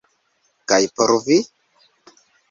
Kaj por vi?